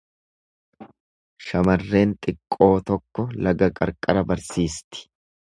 Shamarreen xiqqoo tokko laga qarqara barsiisti.